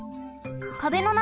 壁の中